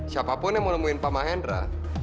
siapapun yang mau nemuin pak mahendra